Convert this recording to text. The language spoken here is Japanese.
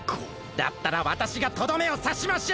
だったらわたしがとどめをさしましょう！